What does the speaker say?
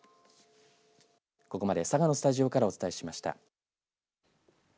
ここまで佐賀のスタジオからお伝えしました。